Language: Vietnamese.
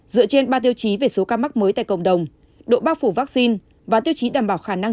dựa trên ba tiêu chí về số ca mắc mới tại cộng đồng độ bao phủ vaccine và tiêu chí đảm bảo khả năng